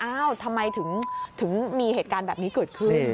ทำไมถึงมีเหตุการณ์แบบนี้เกิดขึ้น